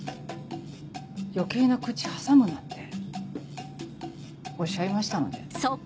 「余計な口挟むな」っておっしゃいましたので。